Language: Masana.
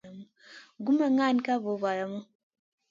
Gu ma ŋahn ka voh valamu.